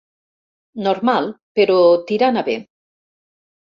Normal, però tirant a bé.